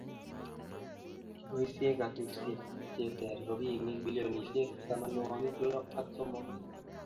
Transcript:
kiboisie kantusiek che ter robinik bilionisiek tamanwokik lo ak somok